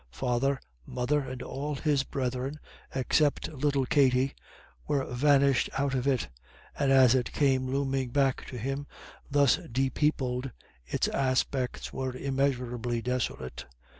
Father, mother, and all his brethren, except little Katty, were vanished out of it, and as it came looming back to him thus depeopled, its aspect was immeasurably desolate.